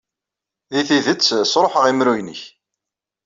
Deg tidet, sṛuḥeɣ imru-nnek.